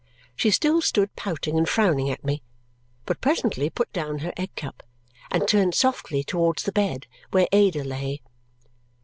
She still stood pouting and frowning at me, but presently put down her egg cup and turned softly towards the bed where Ada lay.